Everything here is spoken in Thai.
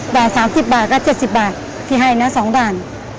ด่าน๓๐บาทก็๗๐บาทพริเฮยเนี่ยสองด่าน